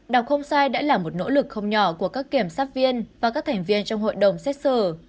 đọc không sai đã là một nỗ lực không nhỏ của các kiểm sát viên và các thành viên trong hội đồng xét xử